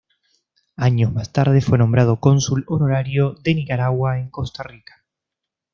Años más tarde fue nombrado Cónsul honorario de Nicaragua en Costa Rica.